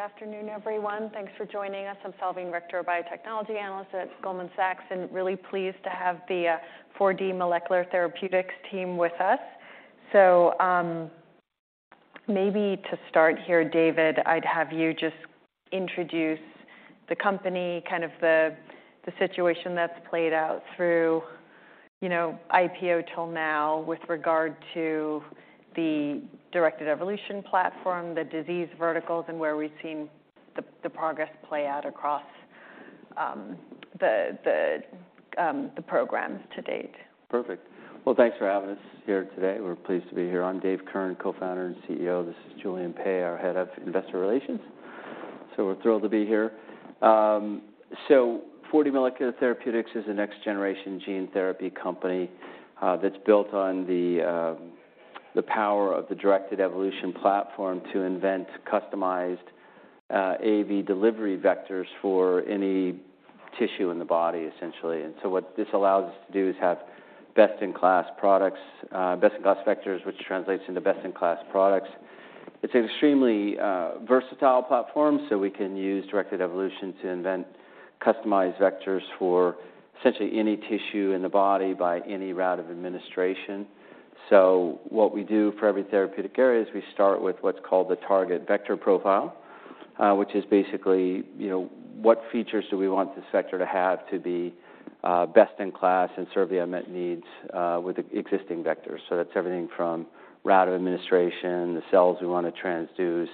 Good afternoon, everyone. Thanks for joining us. I'm Salveen Richter, biotechnology analyst at Goldman Sachs, and really pleased to have the 4D Molecular Therapeutics team with us. Maybe to start here, David, I'd have you just introduce the company, kind of the situation that's played out through, you know, IPO till now with regard to the directed evolution platform, the disease verticals, and where we've seen the progress play out across the programs to date. Perfect. Well, thanks for having us here today. We're pleased to be here. I'm David Kirn, Co-founder and CEO. This is Julian Pei, our Head of Investor Relations. We're thrilled to be here. 4D Molecular Therapeutics is the next generation gene therapy company that's built on the power of the directed evolution platform to invent customized AAV delivery vectors for any tissue in the body, essentially. What this allows us to do is have best-in-class products, best-in-class vectors, which translates into best-in-class products. It's an extremely versatile platform, we can use directed evolution to invent customized vectors for essentially any tissue in the body by any route of administration. What we do for every therapeutic area is we start with what's called the Target Vector Profile, which is basically, you know, what features do we want this vector to have to be best-in-class and serve the unmet needs with the existing vectors. That's everything from route of administration, the cells we wanna transduce,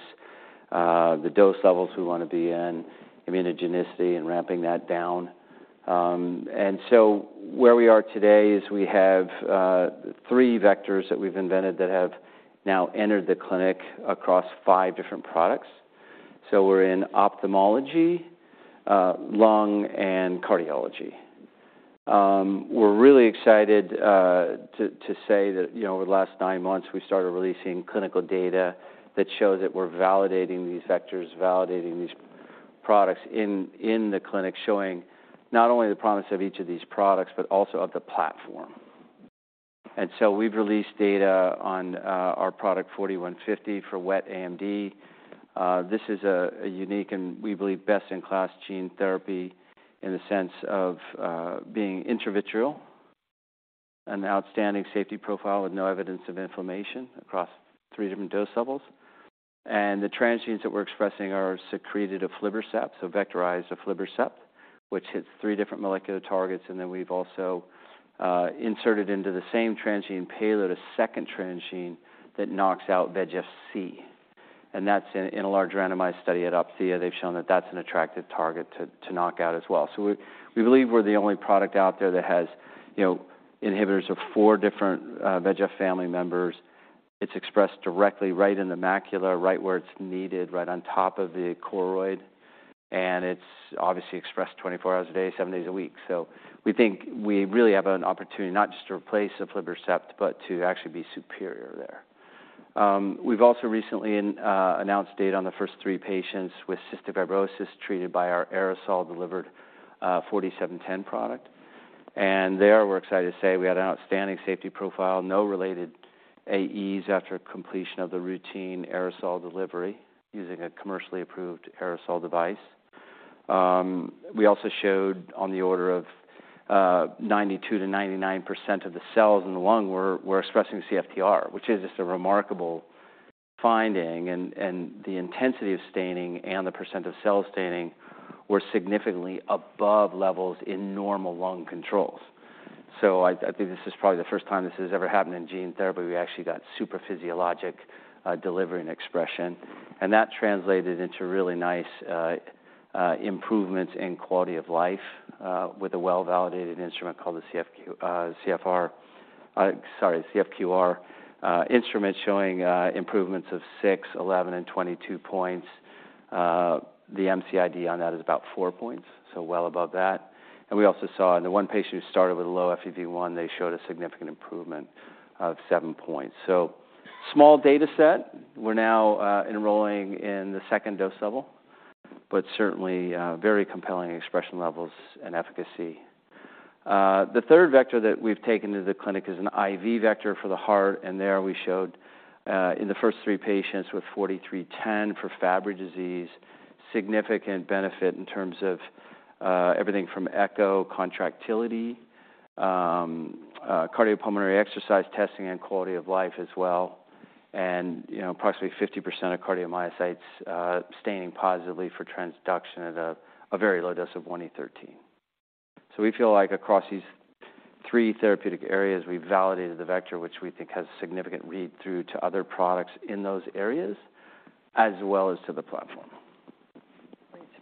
the dose levels we wanna be in, immunogenicity, and ramping that down. Where we are today is we have three vectors that we've invented that have now entered the clinic across five different products. We're in ophthalmology, lung, and cardiology. We're really excited to say that, you know, over the last nine months, we started releasing clinical data that shows that we're validating these vectors, validating these products in the clinic, showing not only the promise of each of these products, but also of the platform. We've released data on our product 4D-150 for wet AMD. This is a unique and we believe, best-in-class gene therapy in the sense of being intravitreal, an outstanding safety profile with no evidence of inflammation across three different dose levels. The transgenes that we're expressing are secreted of aflibercept, so vectorized aflibercept, which hits three different molecular targets. We've also inserted into the same transgene payload, a second transgene that knocks out VEGF-C, and that's in a large randomized study at Opthea. They've shown that that's an attractive target to knock out as well. We, we believe we're the only product out there that has, you know, inhibitors of four different VEGF family members. It's expressed directly right in the macula, right where it's needed, right on top of the choroid, and it's obviously expressed 24 hours a day, seven days a week. We think we really have an opportunity not just to replace aflibercept, but to actually be superior there. We've also recently announced data on the first 3 patients with cystic fibrosis treated by our aerosol-delivered 4D-710 product. There, we're excited to say we had an outstanding safety profile, no related AEs after completion of the routine aerosol delivery using a commercially approved aerosol device. We also showed on the order of 92%-99% of the cells in the lung were expressing CFTR, which is just a remarkable finding, and the intensity of staining and the percent of cell staining were significantly above levels in normal lung controls. I think this is probably the first time this has ever happened in gene therapy. We actually got super physiologic delivery and expression, and that translated into really nice improvements in quality of life with a well-validated instrument called the CFQ-R instrument, showing improvements of six, 11, and 22 points. The MCID on that is about 4 points, so well above that. We also saw in the one patient who started with a low FEV1, they showed a significant improvement of 7 points. Small data set, we're now enrolling in the second dose level, but certainly very compelling expression levels and efficacy. The third vector that we've taken to the clinic is an IV vector for the heart, and there we showed in the first three patients with 4D-310 for Fabry disease, significant benefit in terms of everything from echo contractility, cardiopulmonary exercise testing, and quality of life as well. You know, approximately 50% of cardiomyocytes staining positively for transduction at a very low dose of 1e13. We feel like across these three therapeutic areas, we validated the vector, which we think has significant read-through to other products in those areas, as well as to the platform.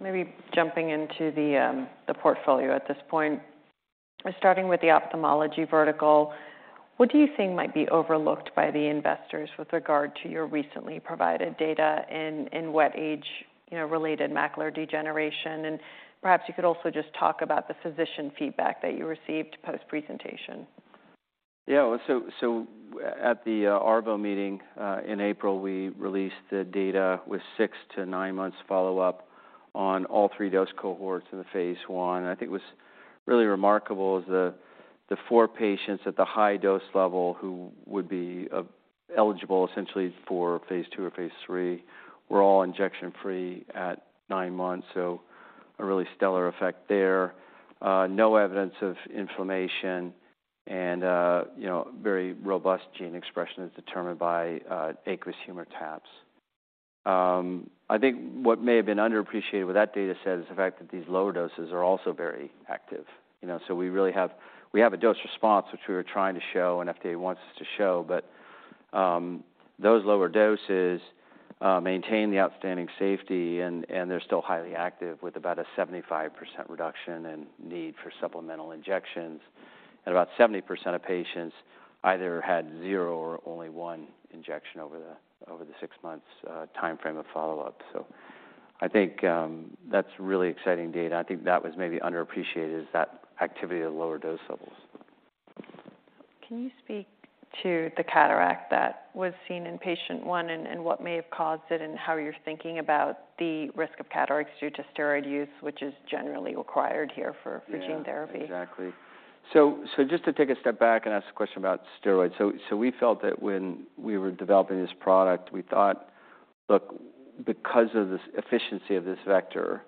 Maybe jumping into the portfolio at this point, starting with the ophthalmology vertical, what do you think might be overlooked by the investors with regard to your recently provided data in wet age-related macular degeneration? Perhaps you could also just talk about the physician feedback that you received post-presentation? At the ARVO meeting in April, we released the data with six to nine months follow-up on all three dose cohorts in the phase I. I think what's really remarkable is the four patients at the high dose level who would be eligible essentially for phase II or phase III, were all injection-free at 9 months, so a really stellar effect there. No evidence of inflammation and, you know, very robust gene expression as determined by aqueous humor taps. I think what may have been underappreciated with that data set is the fact that these lower doses are also very active. You know, we have a dose response, which we were trying to show, and FDA wants us to show. Those lower doses maintain the outstanding safety, and they're still highly active, with about a 75% reduction in need for supplemental injections. About 70% of patients either had zero or only one injection over the 6 months timeframe of follow-up. I think that's really exciting data. I think that was maybe underappreciated, is that activity at lower dose levels. Can you speak to the cataract that was seen in patient one, and what may have caused it, and how you're thinking about the risk of cataracts due to steroid use, which is generally required here for. Yeah. Gene therapy? Exactly. Just to take a step back and ask a question about steroids. We felt that when we were developing this product, we thought, look, because of this efficiency of this vector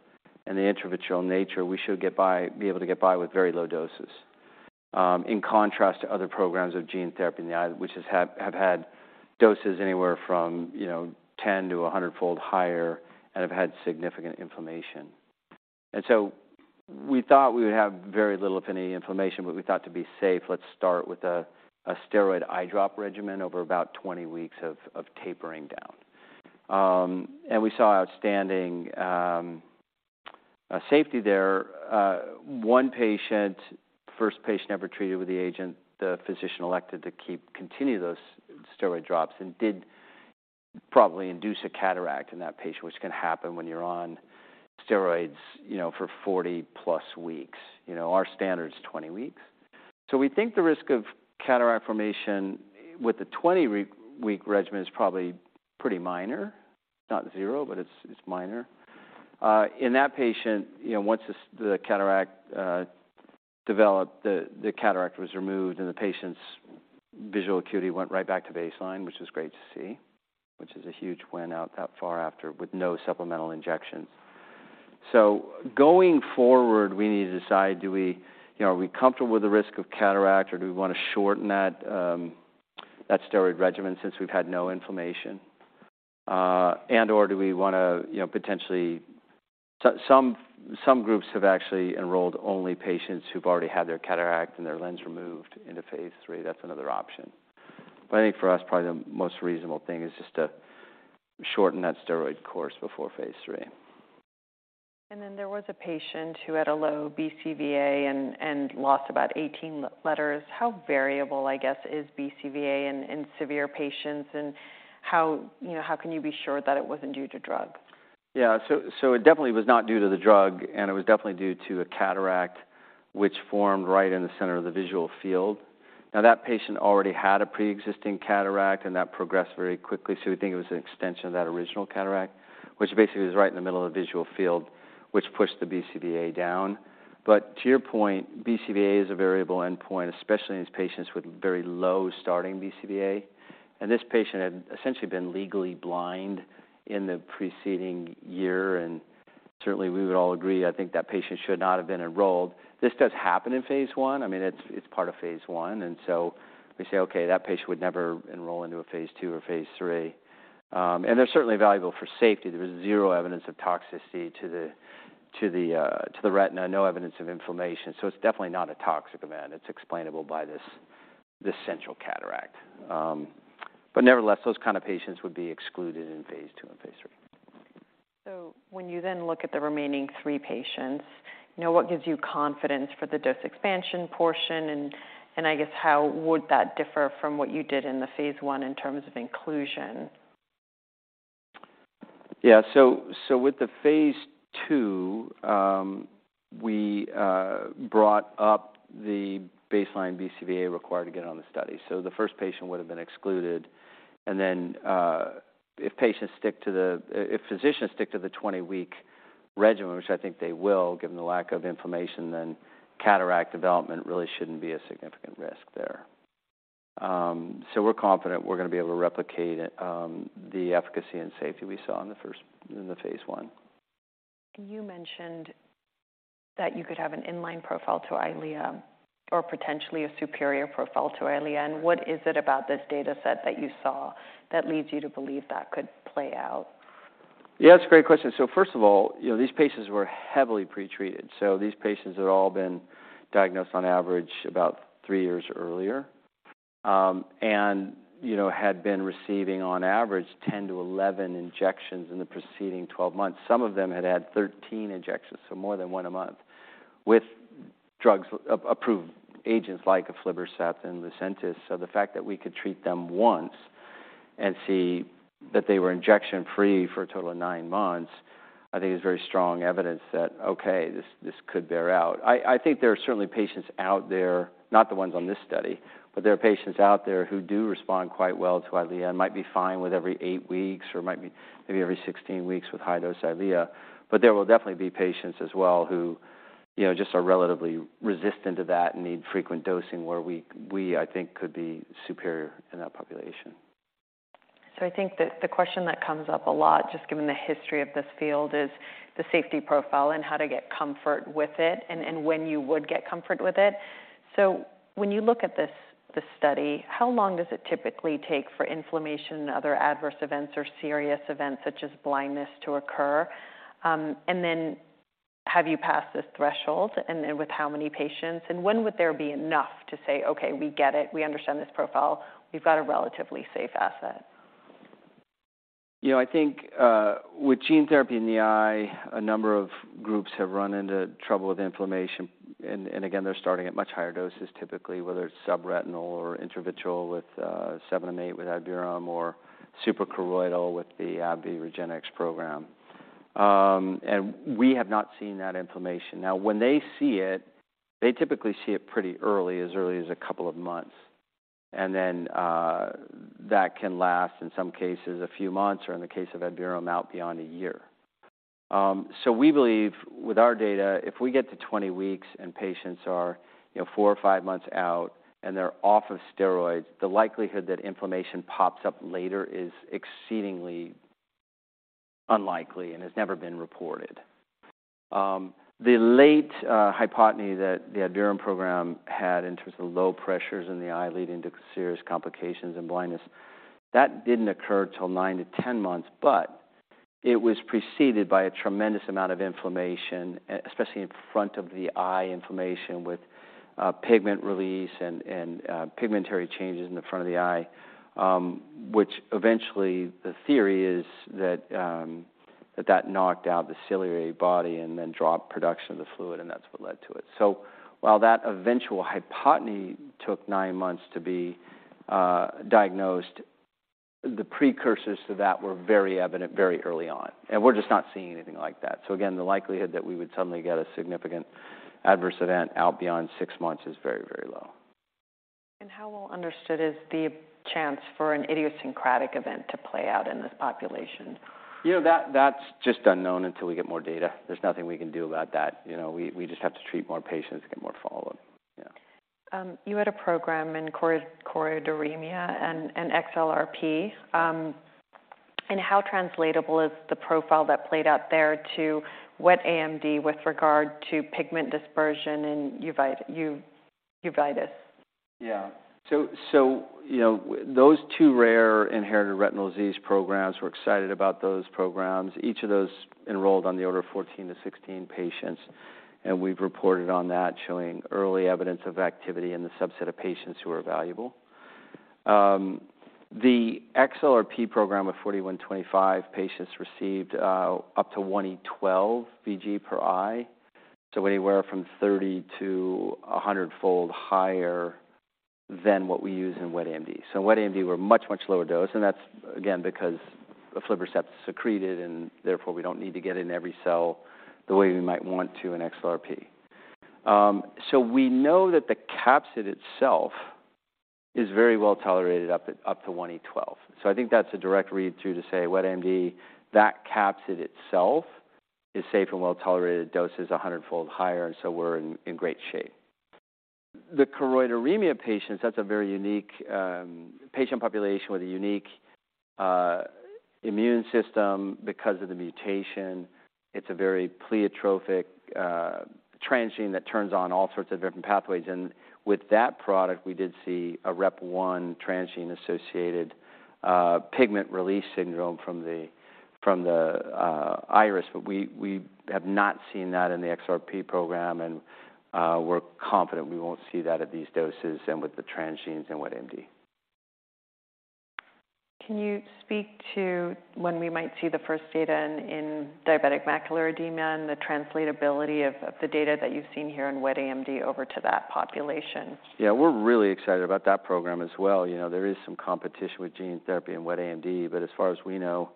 and the intravitreal nature, we should be able to get by with very low doses. In contrast to other programs of gene therapy in the eye, which have had doses anywhere from, you know, 10 to 100-fold higher and have had significant inflammation. We thought we would have very little, if any, inflammation, but we thought, to be safe, let's start with a steroid eye drop regimen over about 20 weeks of tapering down. We saw outstanding safety there. One patient, first patient ever treated with the agent, the physician elected to keep... continue those steroid drops and did probably induce a cataract in that patient, which can happen when you're on steroids, you know, for 40 weeks+. You know, our standard is 20 weeks. We think the risk of cataract formation with the 20 week regimen is probably pretty minor, not zero, but it's minor. In that patient, you know, once the cataract developed, the cataract was removed, and the patient's visual acuity went right back to baseline, which was great to see, which is a huge win out that far after with no supplemental injections. Going forward, we need to decide, do we, you know, are we comfortable with the risk of cataract, or do we want to shorten that steroid regimen since we've had no inflammation? Do we want to, you know, potentially. Some groups have actually enrolled only patients who've already had their cataract and their lens removed into phase III. That's another option. I think for us, probably the most reasonable thing is just to shorten that steroid course before phase III. There was a patient who had a low BCVA and lost about 18 letters. How variable, I guess, is BCVA in severe patients? How, you know, how can you be sure that it wasn't due to drug? It definitely was not due to the drug, and it was definitely due to a cataract which formed right in the center of the visual field. That patient already had a pre-existing cataract, that progressed very quickly, we think it was an extension of that original cataract, which basically was right in the middle of the visual field, which pushed the BCVA down. To your point, BCVA is a variable endpoint, especially in these patients with very low starting BCVA. This patient had essentially been legally blind in the preceding year, certainly, we would all agree, I think that patient should not have been enrolled. This does happen in phase I. I mean, it's part of phase I. We say, "Okay, that patient would never enroll into a phase II or phase III." They're certainly valuable for safety. There was zero evidence of toxicity to the retina, no evidence of inflammation. It's definitely not a toxic event. It's explainable by this central cataract. Nevertheless, those kind of patients would be excluded in phase II and phase III. When you then look at the remaining three patients, you know, what gives you confidence for the dose expansion portion, and I guess how would that differ from what you did in the phase I in terms of inclusion? Yeah. With the phase II, we brought up the baseline BCVA required to get on the study. The first patient would have been excluded, if patients stick to the if physicians stick to the 20-week regimen, which I think they will, given the lack of inflammation, then cataract development really shouldn't be a significant risk there. We're confident we're gonna be able to replicate the efficacy and safety we saw in the phase I. You mentioned that you could have an in-line profile to Eylea or potentially a superior profile to Eylea. What is it about this data set that you saw that leads you to believe that could play out? That's a great question. First of all, you know, these patients were heavily pretreated. These patients had all been diagnosed on average about three years earlier, and you know, had been receiving on average 10-11 injections in the preceding 12 months. Some of them had had 13 injections, so more than one a month, with drugs, approved agents like aflibercept and Lucentis. The fact that we could treat them once and see that they were injection-free for a total of nine months, I think is very strong evidence that, okay, this could bear out. I think there are certainly patients out there, not the ones on this study, but there are patients out there who do respond quite well to Eylea, and might be fine with every eight weeks, or might be maybe every 16 weeks with high-dose Eylea. There will definitely be patients as well you know, just are relatively resistant to that and need frequent dosing, where we, I think, could be superior in that population. I think that the question that comes up a lot, just given the history of this field, is the safety profile and how to get comfort with it and when you would get comfort with it. When you look at this study, how long does it typically take for inflammation and other adverse events or serious events, such as blindness, to occur? And then have you passed this threshold, and then with how many patients? And when would there be enough to say, "Okay, we get it. We understand this profile. We've got a relatively safe asset. You know, I think, with gene therapy in the eye, a number of groups have run into trouble with inflammation, and again, they're starting at much higher doses, typically, whether it's subretinal or intravitreal with seven and eight, with Adverum or suprachoroidal with the AbbVie REGENXBIO Program. We have not seen that inflammation. Now, when they see it, they typically see it pretty early, as early as two months, and then that can last, in some cases, a few months, or in the case of Adverum, out beyond one year. We believe with our data, if we get to 20 weeks and patients are, you know, four or five months out and they're off of steroids, the likelihood that inflammation pops up later is exceedingly unlikely and has never been reported. The late hypotony that the Adverum program had in terms of low pressures in the eye, leading to serious complications and blindness, that didn't occur till nine to 10 months. It was preceded by a tremendous amount of inflammation, especially in front of the eye inflammation with pigment release and pigmentary changes in the front of the eye, which eventually the theory is that that knocked out the ciliary body and then dropped production of the fluid, and that's what led to it. While that eventual hypotony took 9 months to be diagnosed, the precursors to that were very evident very early on, and we're just not seeing anything like that. Again, the likelihood that we would suddenly get a significant adverse event out beyond six months is very, very low. How well understood is the chance for an idiosyncratic event to play out in this population? You know, that's just unknown until we get more data. There's nothing we can do about that. You know, we just have to treat more patients and get more follow-up. Yeah. You had a program in choroideremia and XLRP. How translatable is the profile that played out there to wet AMD with regard to pigment dispersion and uveitis? Yeah. You know, those two rare inherited retinal disease programs, we're excited about those programs. Each of those enrolled on the order of 14-16 patients, we've reported on that, showing early evidence of activity in the subset of patients who are valuable. The XLRP program of 4D-125 patients received up to 1e12 VG per eye, anywhere from 30-100-fold higher than what we use in wet AMD. In wet AMD, we're much lower dose, that's again because the aflibercept is secreted, therefore, we don't need to get in every cell the way we might want to in XLRP. We know that the capsid itself is very well tolerated up to 1e12. I think that's a direct read through to say, wet AMD, that capsid itself is safe and well tolerated at doses 100-fold higher, we're in great shape. The choroideremia patients, that's a very unique patient population with a unique immune system because of the mutation. It's a very pleiotropic transgene that turns on all sorts of different pathways. With that product, we did see a REP1 transgene-associated pigment release syndrome from the iris. We have not seen that in the XLRP program, we're confident we won't see that at these doses and with the transgenes in wet AMD. Can you speak to when we might see the first data in diabetic macular edema and the translatability of the data that you've seen here in wet AMD over to that population? Yeah, we're really excited about that program as well. You know, there is some competition with gene therapy in wet AMD, but as far as we know,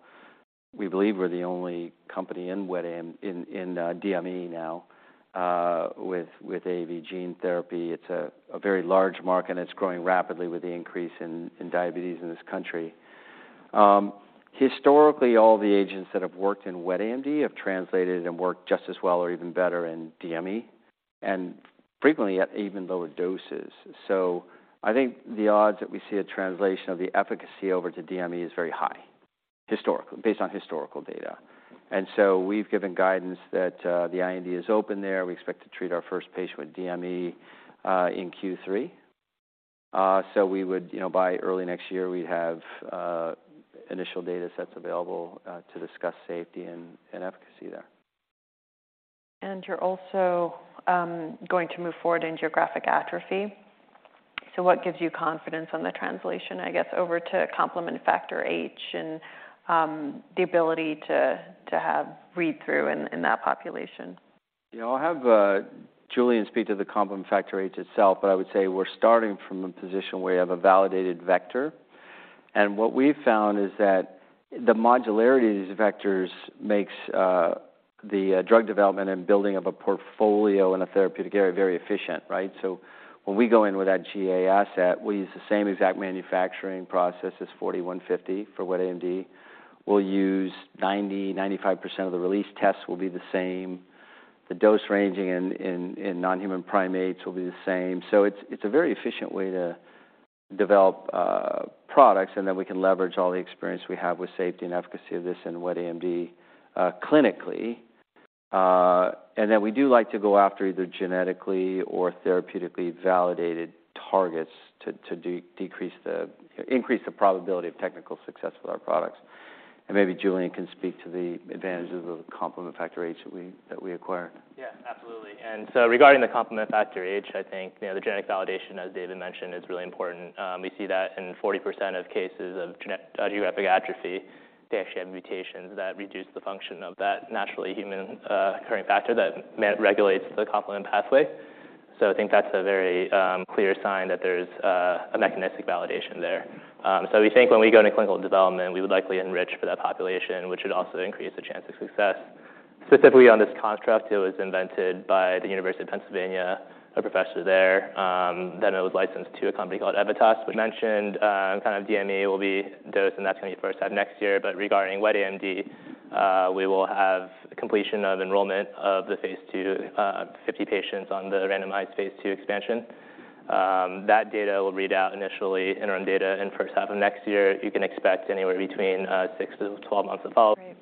we believe we're the only company in DME now with AAV gene therapy. It's a very large market, and it's growing rapidly with the increase in diabetes in this country. Historically, all the agents that have worked in wet AMD have translated and worked just as well or even better in DME, and frequently at even lower doses. I think the odds that we see a translation of the efficacy over to DME is very high, historically, based on historical data. We've given guidance that the IND is open there. We expect to treat our first patient with DME in Q3. We would, you know, by early next year, we'd have initial data sets available to discuss safety and efficacy there. You're also going to move forward in geographic atrophy. What gives you confidence on the translation, I guess, over to complement factor H and the ability to have read through in that population? You know, I'll have Julian speak to the complement factor H itself. I would say we're starting from a position where we have a validated vector. What we've found is that the modularity of these vectors makes the drug development and building of a portfolio in a therapeutic area very efficient, right? When we go in with that GA asset, we use the same exact manufacturing process as 4D-150 for wet AMD. We'll use 90%-95% of the release tests will be the same. The dose ranging in non-human primates will be the same. It's a very efficient way to develop products, and then we can leverage all the experience we have with safety and efficacy of this and wet AMD clinically. Then we do like to go after either genetically or therapeutically validated targets to decrease the increase the probability of technical success with our products. Maybe Julian can speak to the advantages of the Complement factor H that we acquired. Yeah, absolutely. Regarding the complement factor H, I think, you know, the genetic validation, as David mentioned, is really important. We see that in 40% of cases of genetic geographic atrophy, they actually have mutations that reduce the function of that naturally human occurring factor that regulates the complement pathway. I think that's a very clear sign that there's a mechanistic validation there. We think when we go into clinical development, we would likely enrich for that population, which would also increase the chance of success. Specifically on this construct, it was invented by the University of Pennsylvania, a professor there, then it was licensed to a company called Aevitas Therapeutics. We mentioned, kind of DME will be dosed, that's going to be the first half next year. Regarding wet AMD, we will have completion of enrollment of the phase II, 50 patients on the randomized phase II expansion. That data will read out initially, interim data in first half of next year. You can expect anywhere between six to 12 months of follow-up. Great.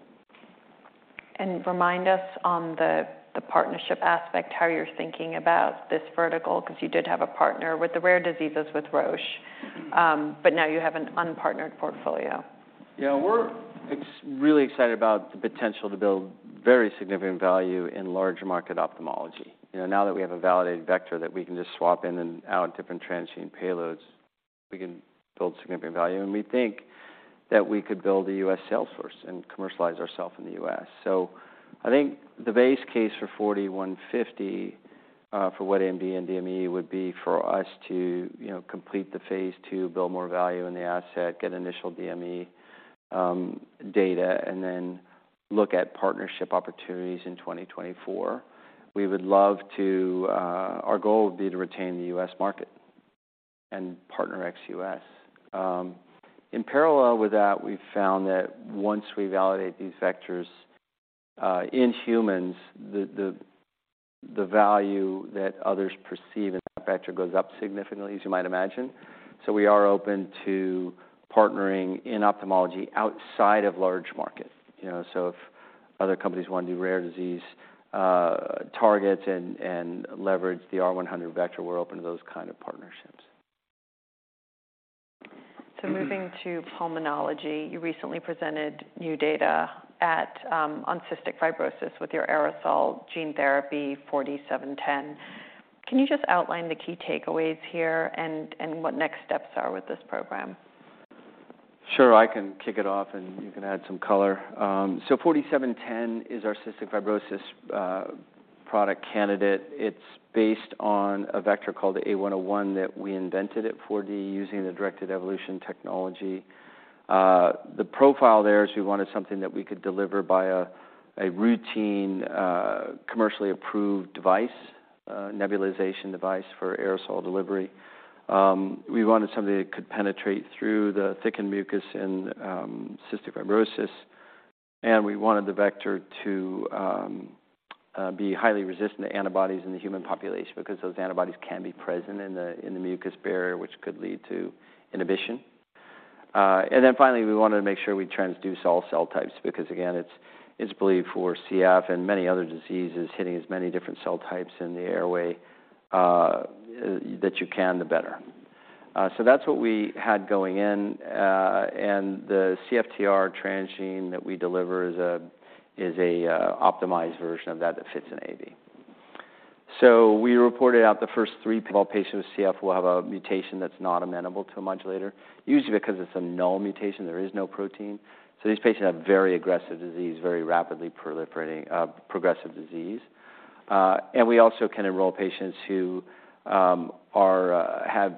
Remind us on the partnership aspect, how you're thinking about this vertical, 'cause you did have a partner with the rare diseases with Roche, but now you have an unpartnered portfolio. Yeah, we're really excited about the potential to build very significant value in larger market ophthalmology. You know, now that we have a validated vector that we can just swap in and out different transient payloads, we can build significant value, and we think that we could build a U.S. sales force and commercialize ourselves in the U.S. I think the base case for 4D-150 for wet AMD and DME would be for us to, you know, complete the phase II, build more value in the asset, get initial DME data, and then look at partnership opportunities in 2024. Our goal would be to retain the U.S. market and partner ex-U.S. In parallel with that, we've found that once we validate these vectors in humans, the value that others perceive in that vector goes up significantly, as you might imagine. We are open to partnering in ophthalmology outside of large market. You know, if other companies want to do rare disease targets and leverage the R100 vector, we're open to those kind of partnerships. Moving to pulmonology. You recently presented new data at on cystic fibrosis with your aerosol gene therapy, 4D-710. Can you just outline the key takeaways here and what next steps are with this program? Sure, I can kick it off, and you can add some color. 4D-710 is our cystic fibrosis product candidate. It's based on a vector called the A101 that we invented at 4D, using the directed evolution technology. The profile there is we wanted something that we could deliver via a routine, commercially approved device, nebulization device for aerosol delivery. We wanted something that could penetrate through the thickened mucus in cystic fibrosis, and we wanted the vector to be highly resistant to antibodies in the human population because those antibodies can be present in the mucus barrier, which could lead to inhibition. Finally, we wanted to make sure we transduce all cell types, because, again, it's believed for CF and many other diseases, hitting as many different cell types in the airway that you can, the better. That's what we had going in, and the CFTR transgene that we deliver is an optimized version of that fits in AAV. We reported out the first three patients with CF will have a mutation that's not amenable to a modulator, usually because it's a null mutation, there is no protein. These patients have very aggressive disease, very rapidly proliferating progressive disease. We also can enroll patients who are have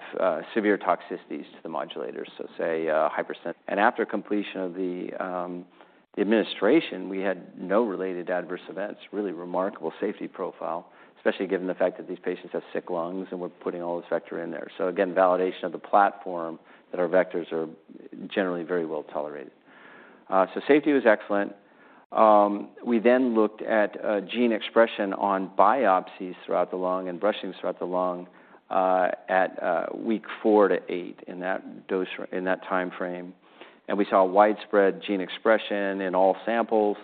severe toxicities to the modulators, so say hypersens. After completion of the administration, we had no related adverse events. Really remarkable safety profile, especially given the fact that these patients have sick lungs and we're putting all this vector in there. Again, validation of the platform that our vectors are generally very well tolerated. Safety was excellent. We then looked at gene expression on biopsies throughout the lung and brushing throughout the lung at week four to eight, in that dose, in that time frame. We saw widespread gene expression in all samples.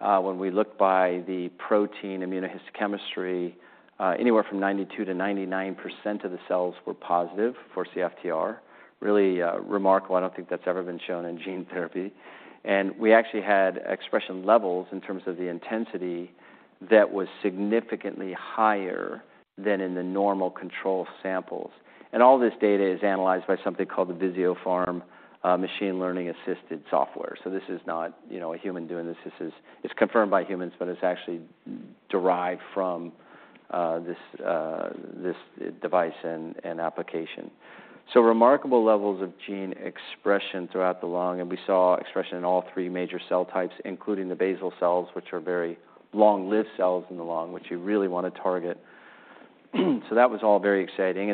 When we looked by the protein immunohistochemistry, anywhere from 92% to 99% of the cells were positive for CFTR. Really remarkable. I don't think that's ever been shown in gene therapy. We actually had expression levels in terms of the intensity that was significantly higher than in the normal control samples. All this data is analyzed by something called the Visiopharm machine learning assisted software. This is not, you know, a human doing this. It's confirmed by humans, but it's actually derived from this device and application. Remarkable levels of gene expression throughout the lung, and we saw expression in all three major cell types, including the basal cells, which are very long-lived cells in the lung, which you really want to target. That was all very exciting.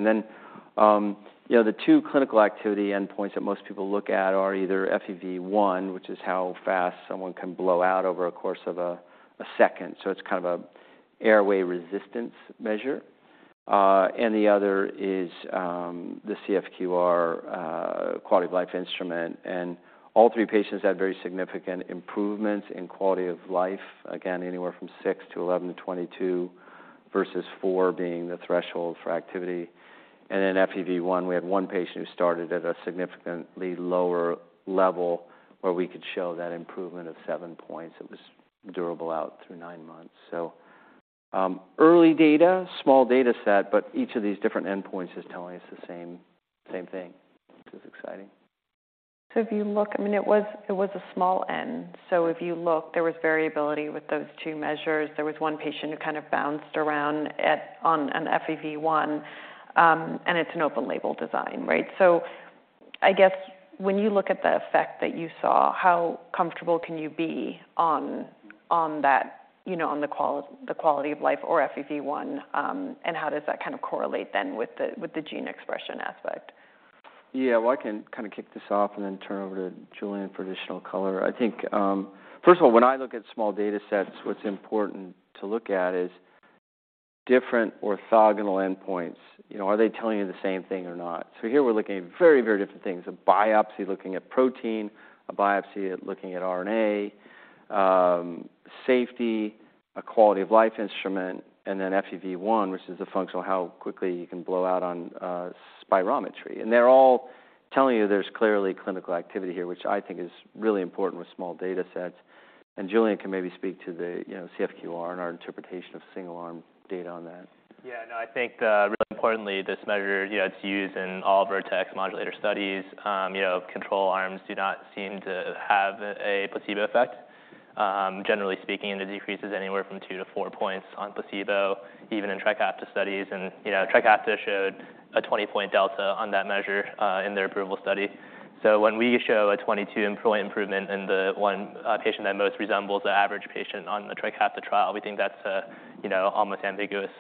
You know, the two clinical activity endpoints that most people look at are either FEV1, which is how fast someone can blow out over a course of a 1 second, so it's kind of a airway resistance measure. The other is the CFQR quality of life instrument. All three patients had very significant improvements in quality of life. Again, anywhere from 6 to 11 to 22, versus four being the threshold for activity. Then FEV1, we had one patient who started at a significantly lower level, where we could show that improvement of 7 points. It was durable out through nine months. Early data, small data set, but each of these different endpoints is telling us the same thing, which is exciting. If you look, I mean, it was a small N. If you look, there was variability with those two measures. There was one patient who kind of bounced around on an FEV1, and it's an open label design, right? I guess when you look at the effect that you saw, how comfortable can you be on that, you know, on the quality of life or FEV1? And how does that kind of correlate then with the gene expression aspect? Yeah, well, I can kinda kick this off and then turn over to Julian for additional color. I think, first of all, when I look at small data sets, what's important to look at is different orthogonal endpoints. You know, are they telling you the same thing or not? Here we're looking at very, very different things, a biopsy looking at protein, a biopsy at looking at RNA, safety, a quality of life instrument, and then FEV1, which is a function of how quickly you can blow out on spirometry. They're all telling you there's clearly clinical activity here, which I think is really important with small data sets. Julian can maybe speak to the, you know, CFQR and our interpretation of single-arm data on that. Yeah, no, I think, really importantly, this measure, you know, it's used in all Vertex modulator studies. You know, control arms do not seem to have a placebo effect. Generally speaking, it decreases anywhere from 2 to 4 points on placebo, even in Trikafta studies. You know, Trikafta showed a 20-point delta on that measure in their approval study. When we show a 22-point improvement in the 1 patient that most resembles the average patient on the Trikafta trial, we think that's a, you know, almost ambiguous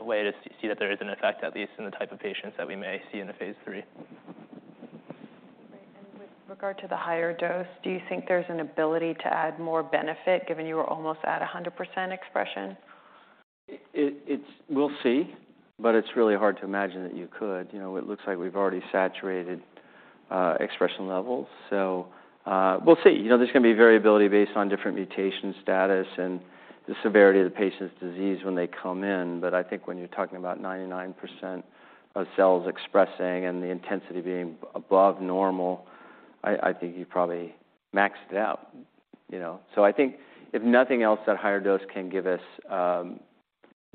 way to see that there is an effect, at least in the type of patients that we may see in the phase III. Great. With regard to the higher dose, do you think there's an ability to add more benefit, given you were almost at 100% expression? It's. We'll see, but it's really hard to imagine that you could. You know, it looks like we've already saturated expression levels. We'll see. You know, there's gonna be variability based on different mutation status and the severity of the patient's disease when they come in. I think when you're talking about 99% of cells expressing and the intensity being above normal, I think you've probably maxed it out, you know. I think if nothing else, that higher dose can give us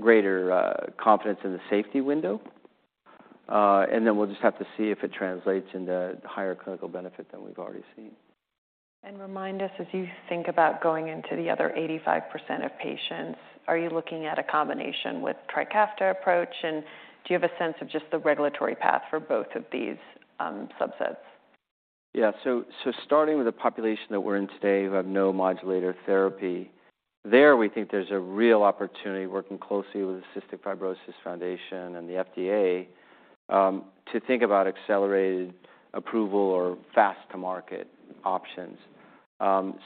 greater confidence in the safety window, and then we'll just have to see if it translates into higher clinical benefit than we've already seen. Remind us, as you think about going into the other 85% of patients, are you looking at a combination with Trikafta approach? Do you have a sense of just the regulatory path for both of these subsets? Yeah. Starting with the population that we're in today, who have no modulator therapy, there, we think there's a real opportunity, working closely with the Cystic Fibrosis Foundation and the FDA, to think about accelerated approval or fast-to-market options.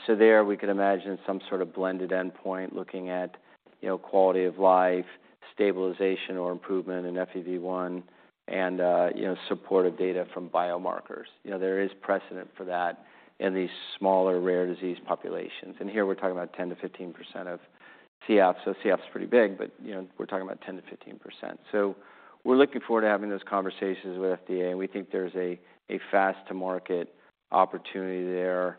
There, we could imagine some sort of blended endpoint looking at, you know, quality of life, stabilization or improvement in FEV1, and, you know, supportive data from biomarkers. You know, there is precedent for that in these smaller, rare disease populations. Here we're talking about 10%-15% of CF. CF is pretty big, but you know, we're talking about 10%-15%. We're looking forward to having those conversations with FDA, and we think there's a fast-to-market opportunity there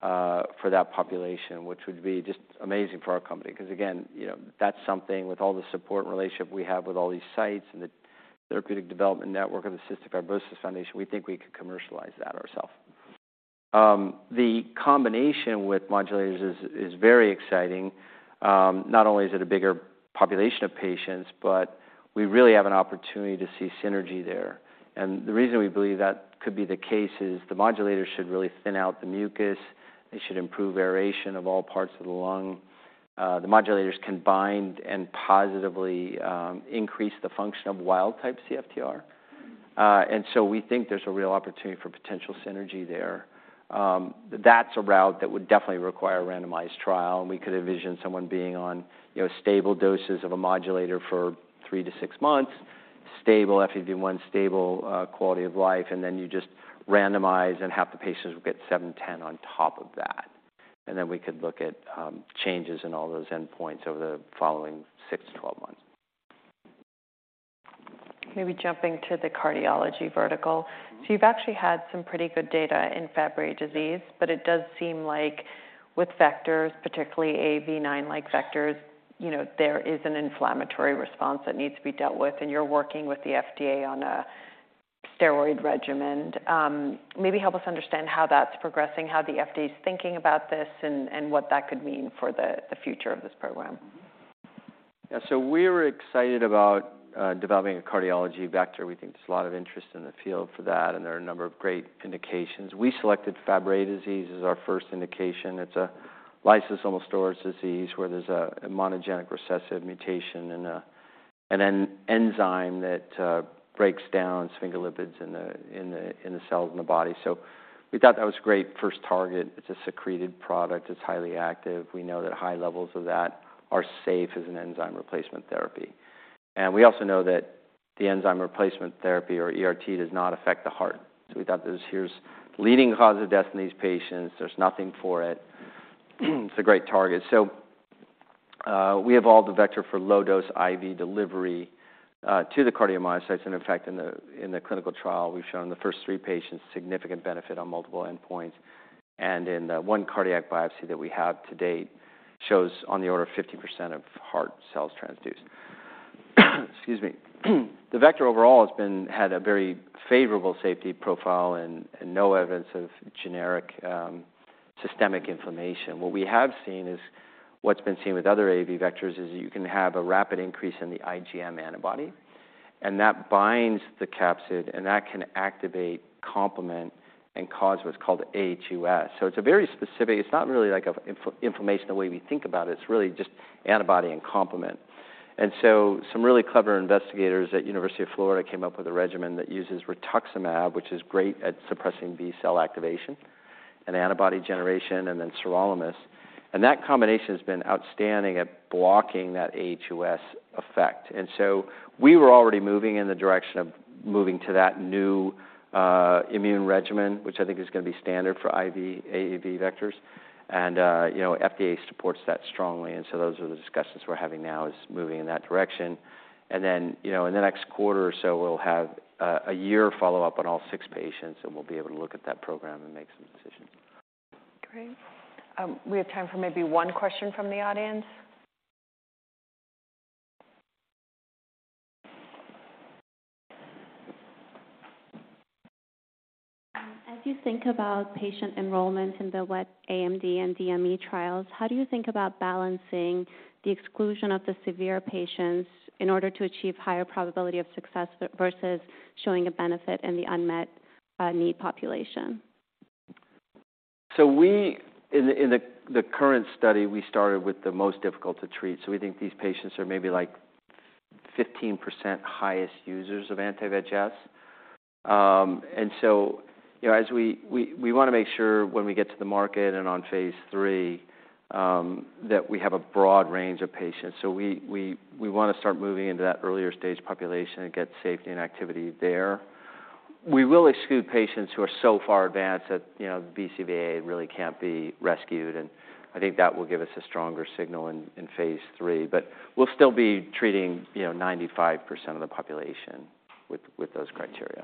for that population, which would be just amazing for our company. Because, again, you know, that's something with all the support and relationship we have with all these sites and the Therapeutics Development Network of the Cystic Fibrosis Foundation, we think we could commercialize that ourself. The combination with modulators is very exciting. Not only is it a bigger population of patients, but we really have an opportunity to see synergy there. The reason we believe that could be the case is the modulators should really thin out the mucus. They should improve aeration of all parts of the lung. The modulators can bind and positively increase the function of wild-type CFTR. We think there's a real opportunity for potential synergy there. That's a route that would definitely require a randomized trial, and we could envision someone being on, you know, stable doses of a modulator for three to six months, stable FEV1, stable, quality of life, and then you just randomize, and half the patients will get 4D-710 on top of that. We could look at changes in all those endpoints over the following six to 12 months. Maybe jumping to the cardiology vertical. You've actually had some pretty good data in Fabry disease, but it does seem like with vectors, particularly AAV9-like vectors, you know, there is an inflammatory response that needs to be dealt with, and you're working with the FDA on a steroid regimen. Maybe help us understand how that's progressing, how the FDA is thinking about this, and what that could mean for the future of this program. Yeah. We're excited about developing a cardiology vector. We think there's a lot of interest in the field for that, and there are a number of great indications. We selected Fabry disease as our first indication. It's a lysosomal storage disease where there's a monogenic recessive mutation in an enzyme that breaks down sphingolipids in the cells in the body. We thought that was great. First target, it's a secreted product, it's highly active. We know that high levels of that are safe as an enzyme replacement therapy. We also know that the enzyme replacement therapy, or ERT, does not affect the heart. We thought this here's leading cause of death in these patients. There's nothing for it. It's a great target. We evolved the vector for low-dose IV delivery to the cardiomyocytes, and in fact, in the clinical trial, we've shown the first three patients significant benefit on multiple endpoints. In the one cardiac biopsy that we have to date, shows on the order of 15% of heart cells transduced. Excuse me. The vector overall has had a very favorable safety profile and no evidence of generic systemic inflammation. What we have seen is what's been seen with other AAV vectors, is you can have a rapid increase in the IgM antibody, and that binds the capsid, and that can activate complement and cause what's called aHUS. It's a very specific. It's not really like an inflammation, the way we think about it. It's really just antibody and complement. Some really clever investigators at University of Florida came up with a regimen that uses rituximab, which is great at suppressing B cell activation and antibody generation, and then sirolimus. That combination has been outstanding at blocking that aHUS effect. We were already moving in the direction of moving to that new immune regimen, which I think is gonna be standard for IV AAV vectors. You know, FDA supports that strongly, those are the discussions we're having now, is moving in that direction. You know, in the next quarter or so, we'll have a one year follow-up on all 6 patients, and we'll be able to look at that program and make some decisions. Great. We have time for maybe one question from the audience. As you think about patient enrollment in the wet AMD and DME trials, how do you think about balancing the exclusion of the severe patients in order to achieve higher probability of success versus showing a benefit in the unmet need population? In the current study, we started with the most difficult to treat. We think these patients are maybe, like, 15% highest users of anti-VEGF. You know, as we wanna make sure when we get to the market and on phase III, that we have a broad range of patients. We wanna start moving into that earlier stage population and get safety and activity there. We will exclude patients who are so far advanced that, you know, BCVA really can't be rescued, and I think that will give us a stronger signal in phase III. We'll still be treating, you know, 95% of the population with those criteria.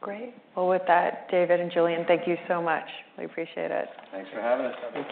Great. Well, with that, David and Julian, thank you so much. We appreciate it. Thanks for having us.